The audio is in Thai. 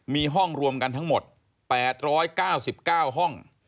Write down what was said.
มีห้องรวมกันทั้งหมด๘๙๙ห้อง